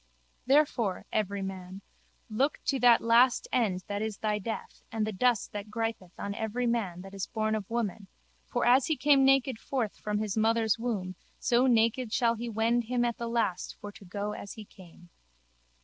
Therefore, everyman, look to that last end that is thy death and the dust that gripeth on every man that is born of woman for as he came naked forth from his mother's womb so naked shall he wend him at the last for to go as he came.